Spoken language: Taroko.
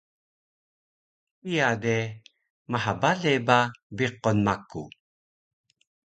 kiya de maha bale ba biqun maku